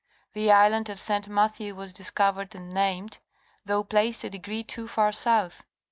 The island of St. Mathew was discovered and named, though placed a degree too far south.